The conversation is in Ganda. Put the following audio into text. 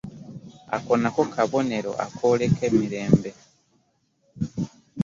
Ako nako kabonero akooleka emirembe.